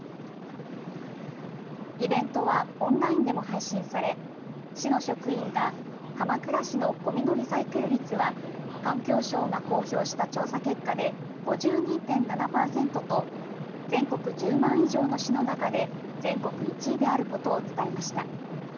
イベントはオンラインでも配信され市の職員が鎌倉市のごみのリサイクル率は環境省が公表した調査結果で５２．７％と全国１０万以上の市の中で全国１位であることを伝えました。